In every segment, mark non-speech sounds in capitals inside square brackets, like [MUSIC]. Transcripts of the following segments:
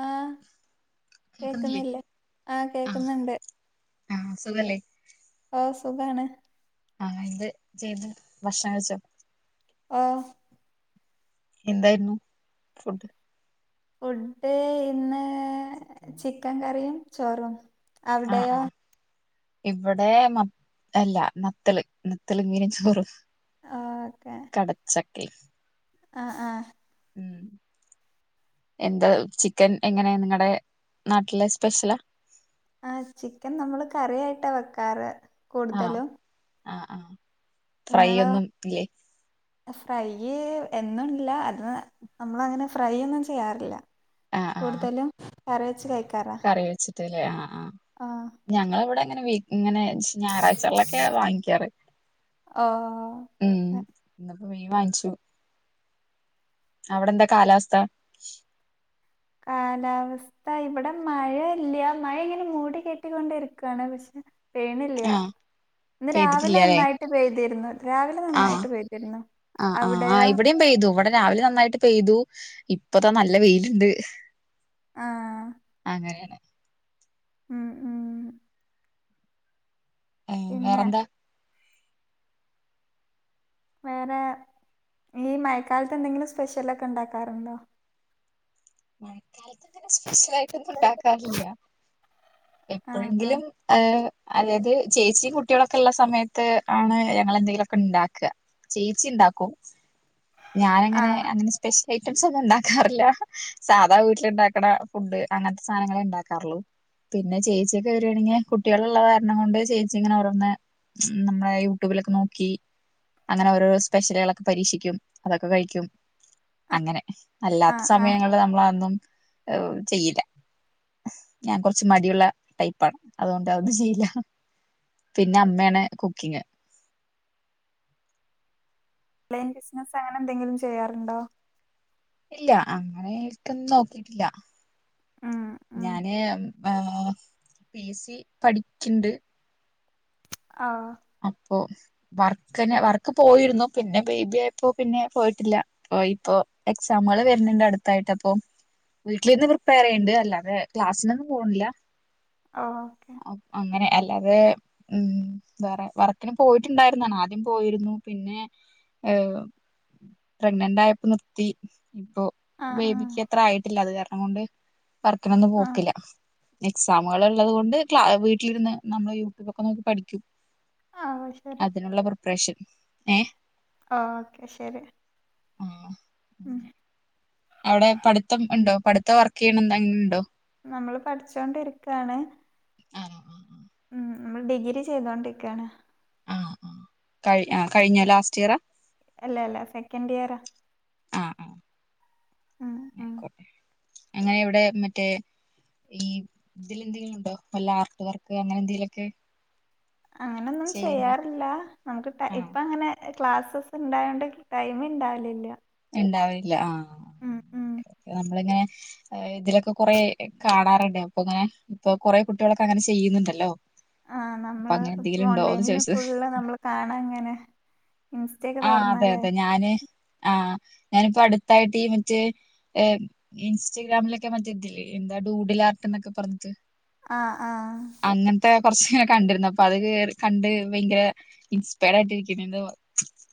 ആഹ് സ് കേക്കുന്നില്ലേ ആഹ് ആഹ കേക്കുന്നുണ്ട് ആഹ സുഖല്ലേ ആഹ സുഖാണ് ആഹ ഇത് ചെയ്ത് ഭക്ഷണം കഴിചോ ഓ എന്തായിരുന്നു ഫുഡ് ഫുഡ് ഇന്ന് ചിക്കൻ കറിയും ചോറും ആഹ് അവിടെയോ ആഹ് ഇവിടെ മ അല്ല നത്തല് നത്തല് ഇങ്ങീന ചോറും ഓക്കെ കടച്ചക്കെ ആഹ് ആഹ് ഉം എന്താ ചിക്കൻ എങ്ങനെയ നിങ്ങടെ നാട്ടിലെ സ്പെഷ്യലാ? ആഹ് ചിക്കൻ നമ്മള് കറിയായിട്ടാ വെക്കാറ് ആഹ് കൂടുതലും ആഹ് ആഹ് ഫ്രൈ ഒന്നും ഇല്ലേ ഫ്രൈയ് എന്നുല്ല അത് നമ്മളങ്ങനെ ഫ്രൈ ഒന്നും ചെയ്യാറില്ല. ആഹ് ആഹ് കൂടുതലും കറി വെച്ച് കഴി കറി വെച്ചിട്ടല്ലേ ആഹ് ആഹ് ആഹ് ഞങ്ങളവിടെഇങ്ങനെ വെയ് ഇങ്ങെനെ. ഞായറാഴ്ചകളിഒക്കെയാ വാങ്ങിക്കാറ് ഉം. ഓ പോയി വാങ്ച്ചു. അവെടെന്താ കാലാവസ്ഥ? കാലാവസ്ഥ ഇവെടെ മഴഇല്യ മഴയിങ്ങെനെ മൂടി കെട്ടിക്കൊണ്ടിരക്കണ് പക്ഷെ. പെയ്നില്ലെയാ ആഹ് ഇന്ന് രാവിലെ പെയ്തിട്ടില്ലാല്ലേ നന്നായിട്ട് പെയ്തിരുന്നു രാവിലെ ആഹ് നന്നായിട്ട് പെയ്തിരുന്നു. ആഹ് ആഹ് ആഹ് അവിടെയോ ഇവിടെം പെയ്തു ഇവിടെ രാവിലെ നന്നായിട്ട് പെയ്തു. ഇപ്പതാ നല്ല വെയിലുണ്ട് ആഹ് ആഹ് അങ്ങനെ ഉം ഉം ഏഹ് പിന്നെ വെറെന്താ? വെറെ ഈ മഴക്കാലത്ത് എന്തെങ്കിലും സ്പെഷ്യലൊക്കെ ഒണ്ടാക്കാറൊണ്ടോ? മഴക്കാലത്ത് പിന്നെ സ്പെഷ്യലായിട്ടൊന്നും ഉണ്ടാക്കാഇല്ല്യ ആ ആ എപ്പോഴെങ്കിലും ഏഹ് അല്ലാത് ചേച്ചി കുട്ടികളൊക്കെഒള്ള സമത്ത് ആണ് ഞങ്ങളെന്തെലുഒക്കെ ഉണ്ടാക്കാ ചേച്ചിയിണ്ടാക്കും ആ ഞാനങ്ങനെ അങ്ങനെ സ്പെഷ്യ ഐറ്റംസ് ഒന്നും ഉണ്ടാക്കാറില്ല സാധാ വീട്ടിലൊണ്ടാക്കണ ഫുഡ് അങ്ങെനത്തെ സാനങ്ങളെ ഉണ്ടാക്കാറുള്ളൂ. പിന്നെ ചേച്ചിയൊക്കെ വരുവാണെങ്കി കുട്ടികളൊള്ള കാരണം കൊണ്ട് ചേച്ചിങ്ങനെ ഓരോന്ന്. നമ്മളെ യൂട്യൂബിലൊക്കെ നോക്കി അങ്ങനെ ഓരോരോ സ്പെഷ്യലുകളൊക്കെ പരീക്ഷിക്കും. അതൊക്കെ കഴിക്കും അങ്ങെനെ ആ അല്ലാത്ത ആ സമങ്ങളിൽ നമ്മളഒന്നും. ഔ ചെയില. ഞാൻ കൊറെച്ച് മടിഉള്ള ടൈപ്പാണ് അതുകൊണ്ട് അത് ന് ചെയ്യില്ല. പിന്നെ അമ്മേണ് കുക്കിങ്ങ് ൺലൈൻ ബിസ്നസ് അങ്ങനെന്തെങ്കിലും ചെയ്യാറ്ണ്ടോ? ഇല്ല അങ്ങനെ ഈട്ത്തൊന്നും നോക്കീട്ട്ല്ലാ ഉം ഉം ഞാന് ഏഹ് പി എ സ്സി പഠിക്ക്ണ്ട് ആഹ് അം പ്പോ വർക്ക്ന് വർക്ക് പോയിര്ന്നു പിന്നെ ബേബിയായപ്പോ പിന്നെ പോയ്ട്ട്ല്ല പോയിപ്പോ എക്സാമ്കള് വെര്ണ്‌ണ്ട് അട്ത്തായിട്ടപ്പൊ വീട്ടില്ര്ന്ന് പ്രിപ്പയറെയ്യ്ണ്ട് അല്ലാതെ ക്ലാസ്സ്നൊന്നും പോൺല്ലാ ഓക്കെ അല്ലാതെ ഉം വേറെ വർക്ക്ന് പോയ്ട്ട്ണ്ടായ്ര്ന്നാണ് ആദ്യം പോയിര്ന്നു പിന്നേ ഏഹ് പ്രെഗ്നന്റ് ആയപ്പം നിർത്തി ഇപ്പൊ ആ ആ ബേബിക്കത്ര ആയ്ട്ടില്ല അത് കാരണം കൊണ്ട് വർക്ക്നൊന്നും ആ പോക്ക്ല്ലാ എക്സാമ്കള്‌ള്ളത് കൊണ്ട് ക്ലാ വീട്ടില്‌ര്ന്ന് നമ്മെള് യൂട്യൂബൊക്കെ നോക്കി പഠിക്കും ഓ ശരി അതിനൊള്ള പ്രിപ്പ്റേഷൻ ഏഹ് ആഹ് ഓക്കെ ശെരി ആഹ് അവെടെ പഠ്ത്തം ഒണ്ടോ പഠ്ത്തം വർക്കെയ്യ്ണെന്തെങ്കിണ്ടോ? നമ്മള് പഠ്‌ച്ചോണ്ട്ര്ക്കാണ് ആഹ് ആഹ് ആഹ് ഉം നമ്മെള് ഡിഗ്രി ചെയ്തോണ്ടിക്കയാണ്. ആഹ് ആഹ് ആ കഴിഞ്ഞോ ലാസ്റ്റിയറാ? അല്ല അല്ല സെക്കൻഡിയറാ. ആഹ് ആഹ് ഉം ആയിക്കോട്ടെ. അങ്ങനെ ഇവെടെ മറ്റേ. ഈ ഇതില്ന്തെങ്കിലും ഉണ്ടോ വല്ല ആർട്ട് വർക്ക് അങ്ങനെ എന്തെലൊക്കെ അങ്ങനൊന്നും ചെയ്യാറില്ല നമുക്ക് ടൈ ആഹ് ഇപ്പ അങ്ങനെ ക്ലാസ്സസ് ഉണ്ടായോണ്ട് ടൈമിണ്ടാവലില്ല ഉണ്ടാവില്ല ആഹ് ഉം നമ്മള് ങ്ങന്നെ ഇതിലൊക്ക കൊറെ കാണാറ്ണ്ട് അപ്പൊ ഇങ്ങനെ ഇപ്പൊ കൊറേ കുട്ടികളൊക്ക അങ്ങനെ ചെയ്യ്ന്ന്ണ്ടല്ലോ ആഹ് നമ്മള് ഇപ്പ ഓൺലൈനില് ചോദിച്ചത് എപ്പഴുള്ള നമ്മള് കാണാ ഇങ്ങനെ ഉം ആഹ് അതെ അതെ ഞാന് അ ആഹ് ഞാനിപ്പോ അടുത്തായിട്ട് ഈ മറ്റേ ഏഹ് ഇൻസ്റ്റഗ്രാമിലെക്കെ മറ്റേ ഇത് ല്ലെ എന്താ ടു കൂടിലാർത്തൻ എന്നക്കെ പറഞ്ഞിട്ട് ആഹ് ആഹ് പക്ഷെ കണ്ടിര്ന്നു അപ്പ അത് കെയ് കണ്ട് ഭയങ്കര ഇൻസ്പയറാട്ട് ഇരിക്ക്ന്നെന്തോ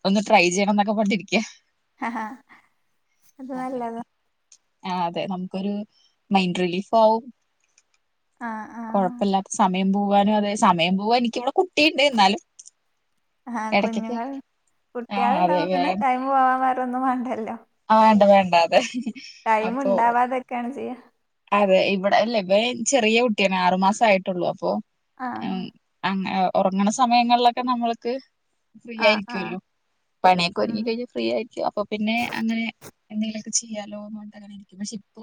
ഒന്ന് ട്രൈ ചെയ്യണന്നൊക്ക പറഞ്ട്ട് ഇരിക്ക അഹാ അത് അങ്ങനെ നല്ലതാ ആഹ് അതെ നമ്ക്കൊരു മൈൻഡ് റിലീഫാവും ആഹ് ആഹ് കൊഴപ്പില്ലാത്ത സമയം പോവാനു അതെ സമയം പോവാൻ എനിക്ക് ഇവ്ടെ കുട്ടീണ്ട് ന്നാലും ആഹ് കുഞ്ഞുങ്ങള് ആഹ് അതെ കുട്ടികളുണ്ടാമ്പം പിന്നെ ടൈം പോവാം വേറൊന്നും വാണ്ടല്ലോ ആ വേണ്ട വേണ്ട അതെ ടൈംമ് അപ്പൊ ഉണ്ടാവാതെക്കെണ് ചെയ്യ അതെ ഇവടെ ല്ല ബെന് ചെറിയ കുട്ടിയണ് ആറ് മാസം ആയിട്ടുള്ളു അപ്പൊ ആഹ് അങ്ങന ഒറങ്ങണ സമയങ്ങളിലൊക്ക നമ്മള്ക്ക് ആഹ് ആഹ് വിചാരിക്കുവല്ലോ പനിയൊക്കെ ഉം ഒരുക്കി കഴിഞ്ഞ് ഫ്രീ ആയിരിക്കും അപ്പൊ പിന്നെ അങ്ങനെ എന്തെലെക്ക ചെയ്യാലോന്ന് പറഞ്ഞിട്ടങ്ങനെ ഇരിക്കും പക്ഷെ ഇപ്പോ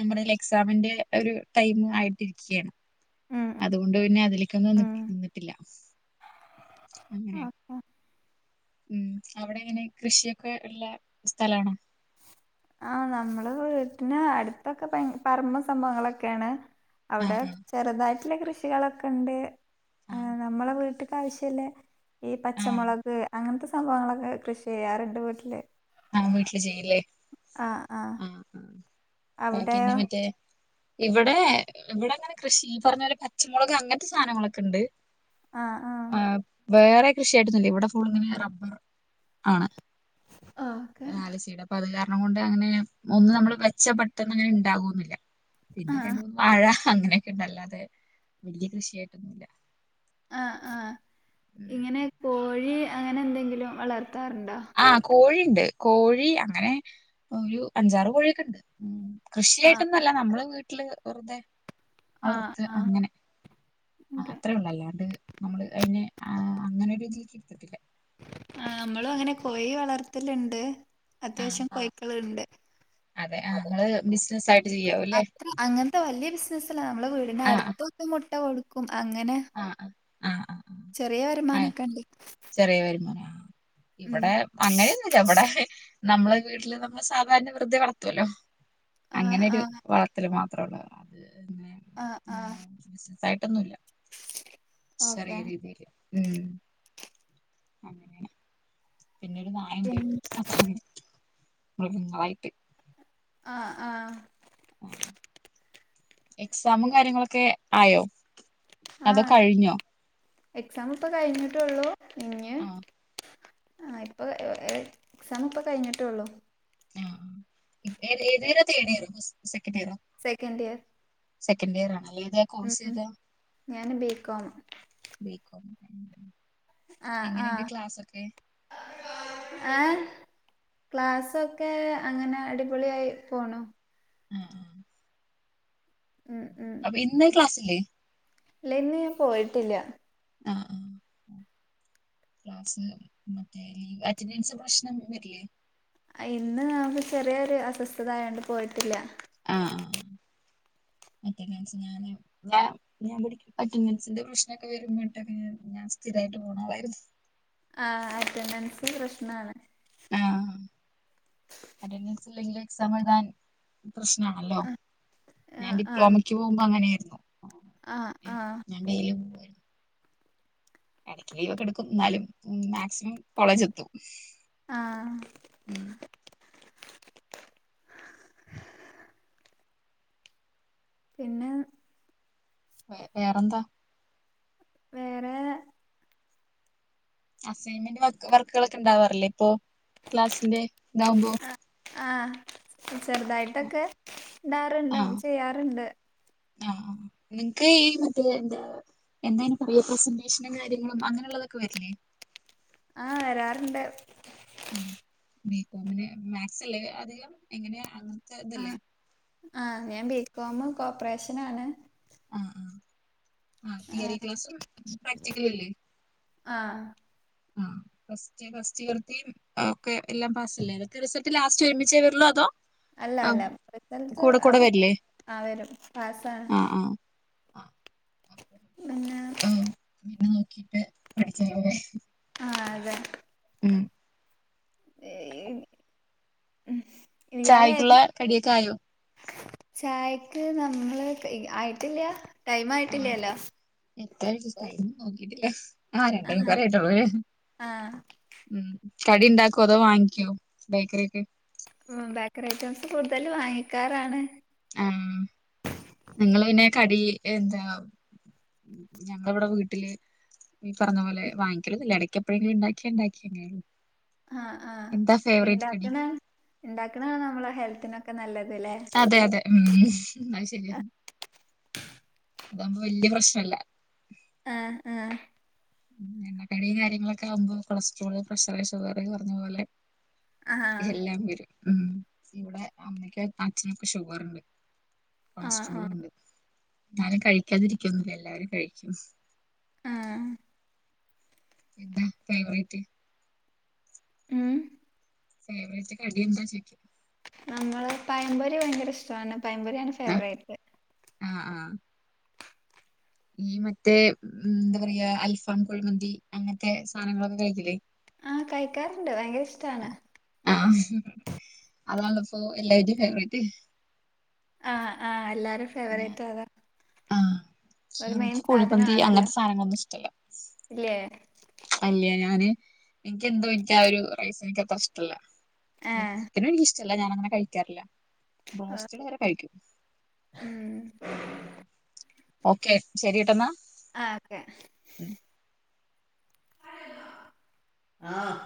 നമ്മടെ ലൈ എക്സാമിന്റെ ഒര് ടൈംമ് ആയിട്ടിരിക്കയാണ് ഉം അത്കൊണ്ട് പിന്നെ അതിലെക്കൊന്നും ഉം നിക് നിന്നിട്ടില്ല അങ്ങനെ ഓക്കെ ഉം അവ്ടെങ്ങനെ കൃഷിയൊക്കെ ഉള്ള സ്ഥലാണോ ആഹ് നമ്മള് വീട്ട്ന് അടുത്തൊക്ക പറമ്പും സംഭവങ്ങളൊക്കെയാണ് അവ്ടെ ആഹ് ആഹ് ചെറുതായിട്ട്ള്ള കൃഷികളെക്കെ ഉണ്ട് ആഹ് നമ്മള വീട്ട്ക്ക് ഇപ്രാവശ്യല്ലേ ഈ ആഹ് പച്ചമുളക് അങ്ങനത്തെ സംഭവങ്ങളൊക്ക കൃഷി ചെയ്യാറുണ്ട് വീട്ട്ല് ആഹ് വീട്ട്ല് ചെയ്യില്ലേ ആഹ് അഹ് ബാക്കി അവിടെയോ എന്നാ മറ്റേ ഇവ്ടെ ഇവട അങ്ങനെ കൃഷി ഈ പറഞ്ഞ പോലെ പച്ചമുളക് അങ്ങനത്തെ സാധനങ്ങളൊക്ക ഇണ്ട് ആഹ് വേറെ കൃഷിയായിട്ടന്നല്ലേ ഇവിടെ ഫുളിങ്ങെ റബ്ബർ ആണ് ഓക്കെ ആലചയുടെ അപ്പൊ അത് കാരണം കൊണ്ട് അങ്ങനെ ഒന്നും നമ്മള് മെച്ച പെട്ടെന്ന് അങ്ങനെ ഉണ്ടാകുന്നില്ല പിന്നെ രണ്ട് ആഹ് മൂന്നും വാഴ അങ്ങനെയൊക്കെ ഇണ്ടല്ലാതെ വലിയ കൃഷിയായിട്ടൊന്നുമല്ല ആഹ് ആഹ് ഇങ്ങനെ കോഴി അങ്ങനെ എന്തെങ്കിലും വളർ നടത്താറുണ്ടാ ണ്ട് കോഴി അങ്ങനെ ഒരു അഞ്ചാറ് കോഴിയൊക്കെ ഉണ്ട് ഉം ആഹ് കൃഷിയായിട്ടൊന്നുംല്ല നമ്മള് വീട്ടില് വെറുതെ ആഹ് വളർത്ത് ആഹ് അങ്ങനെ ഓക്കെ അത്രേ ഉള്ള അല്ലാണ്ട് നമ്മള് അതിനെ അങ്ങനെ ഒരു രീതിക്ക് ഇടുത്തിട്ടില്ല ആഹ് നമ്മളും അങ്ങനെ കോഴി വളർത്തലുണ്ട് ആഹ് അത്യാവശ്യം കൈ്ക്കളുണ്ട് അതെ ആഹ് നിങ്ങള് ബിസിനസ് ആയിട്ട് ചെയ്യാവൂല്ലേ അത്ര അങ്ങനത്തെ വലിയ ബിസിനസല്ല നമ്മളുടെ വീടി ആഹ് ആഹ് അടുത്തൊട്ടം മുട്ട കൊടുക്ക അങ്ങനെ ആഹ് ആഹ് ആഹ് ചെറിയ ആഹ് വരുമാനംക്കെ ഉണ്ട് ചെറിയ വരുമാനം ആഹ് ഉം ഇവിടെ അങ്ങനെയൊന്നുമല്ല ഇവിടെ നമ്മള് വീട്ടില് നമ്മള് സാധാരണ വൃദ്ധെ വളത്തുവല്ലോ ആ ആ അങ്ങനെരു വളത്തില്ൽ മാത്രള്ള അത് പിന്നെ ആഹ് ആഹ് ബിസിനസ് ആയിട്ടൊന്നുമില്ല ചെറിയ ഓക്കെ രീതിയില് ഉം അങ്ങനെ പിന്നെ ഒരു നായണ്ട് പിന്നെ അച്ച്ചന് മൃഗങ്ങളായിട്ട് ആഹ് ആഹ് എക്സാമും പി- കാര്യങ്ങളൊക്കെ ആയോ ആ അതോ കഴിഞ്ഞോ എക്സാം ഇപ്പൊ കഴിഞ്ഞിട്ടള്ളൂ ഇഞ് ആഹ് ആ ഇപ്പൊ എക്സാം പ്പൊ കഴിഞ്ഞിട്ടേള്ളോ ആ ഏത തേടിയരുന്നു സെക്കൻ് ഇയർ സെക്കൻഡ് ഇയർ ആണല്ലേ ഏതാ ഉം കോഴ്സ് ഉം ഏതാ ഞാൻ ബികോം ആ എങ്ങനെുണ്ട് ക്ലാസ്ക്കെ ആ ക്ലാസ്സൊക്കെ അങ്ങനെ അടിപൊളിയായി പോണോ ആഹ ഉഹ ഉം ഉം അപ്പ ഇന്ന ക്ലാസ്ല്ലേ ഇല്ല ന്ന് ഞാൻ പോയിട്ടില്ല ആ ആ ക്ലാസ് മറ്റേ ലീവ അറ്റൻഡൻസ് പ്രശ്നം വരില്ലേ ഇന്ന് നമുക്ക് ചെറിയൊരു അസ്വസ്ഥത ആയോണ്ട് പോയിട്ടില്ല ആ അറ്റന്റൻസ് ഞാൻ ഞാൻ ഞാൻകുടി അറ്റന്റൻസ്ന്റെ പ്രശ്നൊക്കെ വരുമ്പോട്ടെക്കെ ഞാൻ ഞാൻ സ്ഥിര പോ [UNINTELLIGIBLE] ആ അറ്റൻഡൻസ് പ്രശ്നാണ് ആഹ അ വച്ചെങ്കില സമധൻ പ്രശ്നമാണല്ലോ ആ ഞാൻ ആ ഡിപ്ലോമയ്ക്ക് പോകുമ്പോ അങ്ങനെയായിരുന്നു ആ ഞലും ഇടക്ക് ലീവ് ഒക്കെ എടുക്കും ന്നാലും മാക്സിമം കോളേജ് എത്തും ആഹ് ഉം പിന്നെ വ വേറെന്താ വേറെ അസൈൻമെന്റ് വർക്കുകളൊക്കെ ഇണ്ടാവാാറില്ലേ ഇപ്പൊ ക്ലാസ്സിന്റെ ഇതാവുമ്പോ ആ ചെറുതായിട്ടൊക്കെ ഉണ്ടാറുണ്ട് ചെയ്യാറുണ്ട് ആഹ നിങ്ങക്ക് ഈ മറ്റേ എന്താ എന്തയ്ന് പറിയ പ്രസന്റേഷനും കാര്യങ്ങളും അങ്ങനെയള്ളതൊക്കെ വരിലേ ആഹ് വരാറുണ്ട് ആ ബ കോമിന് മാത്സ് അല്ലേ അധികം എങ്ങനെയ അങ്ങനത്തെ ആ ഇതല്ലേ ആ ഞാൻ ബികോം കോപ്പറേഷന ആാണ് ആ ആ ആ തിയറി ക്ലാസ്സും പ്രാക്ടിക്കല അല്ലേ ആ ആ ഫസ്റ്റ് ഇയർ ഒെ എല്ലാം പാസ്സല്ല ഇതത്തെ റിസൾട്ട് ലാസ്റ്റ് ഒരുമിച്ചേ വരുല്ലോ അതോ അല്ല ആ, അല്ല റിസൾട്ടസ് കൂടെ കൂടെ വരില്ലേ ആ വരും പാസണ് ആ ആ ആ ആ, പിന്നെ നോക്കിട്ട് പഠിക്കാ പോെ ആതെ ഏ ചായക്കുള്ള കടിയൊക്കെ ആയോ ചായക്ക് നമ്മള് ആയിട്ടില്ല ടൈം ആ ആയിട്ടില്ലല്ലോ എത്ര ടൈം ആ രണ്ട എനി ആഹ് പറട്ടുള്ളൂ ആഹ് ഉ കടി ഉണ്ടാക്കോ അതോ വാങ്ങി കോ ബേക്കറിക്ക് ഉ ബേക്കറി ഐറ്റംസ് കൂടുതൽ വാങ്ങിക്കാറാണ് ആനിങ്ങ പിന്നെ കടി എന്താ ഞങ്ങള ഇവിടെ വീട്ടില് ഈ പറഞ്ഞ പോലൊങ്ങിക്കലല്ല ഇടക്ക എപ്പഴെിലും ഉണ്ടാക്കിയാ ഉണ്ടാക്കിയങ്ങല്ല ആ ആ കടി ഉണ്ടാക്ക ഉണ്ടാക്കണാണ് നമ്മളെ ഹെൽത്തിനൊക്കെ നല്ലത് ല്ലേ അതെ അതെ ഉം എന്ന ശരിയ അതാവകുമ്പോ വല്യ പ്രശ്നല്ല ആഹ് ആഹ് എണ്ണക്കടിയ കാര്യങ്ങളൊക്കെകുമ്പോ കൊളസ്ട്രോള് പ്രഷറ് ഷുഗർ പറഞ്ഞ പോലെ ആഹ് എല്ലാം വരും ഉം ഇവിടെ അമ്മക്ക് അച്ഛനൊക്കെ ഷുഗർുണ്ട് [UNINTELLIGIBLE] ആഹ് കൊളസ്ട്രോളും ആഹ് ഉണ്ട് എന്നാലും കഴിക്കാതിരിക്കുവൊന്നുമില്ല എല്ലാരും കഴിക്കും ആഹ് എന്താ കൈവ്രീതി ഉം ഫവ കടിിയ എന്താ നമ്മള് പൈൻപൊരി ഭയങ്കര ഇഷ്ടമാണ് പൈൻപൊരിാണ് ഫേവറേറ്റ് ആഹ് ആഹ് ഈ മറ്റേ എന്താ പറയാ അൽഫാം കുഴിമന്തി അങ്ങനത്തെ സാധനങ്ങളൊക്കെ കളിക്കില്ലേ ആഹ് കഴിക്കാറണ്ട് ഭയങ്കര ഇഷ്ടാണ് അതാല്ല ഇപ്പൊ എല്ലാവടെയും ഫേവറേറ്റ് ആആഹ്എല്ലാരും ഫേവറേറ്റ് അതാ ഒരു മെയിൻ ച സാധനം കോഴിപന്തി ആണല്ലോ അങ്ങനത്തെ സാധനങ്ങളൊന്നും ഇഷ്ടല്ല ഇല്ലേ അല്ല ഞാന് എനിക്കെന്തോ എനിക്ക് ആ ഒരു റൈസ എനിക്ക്ത്ര ഇഷ്ടല്ല ത് ആഹ് ചിക്കനും എനിക്ക ഇഷ്ടമല്ല ഞാാന അങ്ങനെ കഴിക്കാറില്ല ബ്രോസ്റ്റഡ് വരെ കഴിക്കും ഉം ഓക്കെ ശരി കേട്ടെന്നാ ആ ഓക്കെ ആഹ്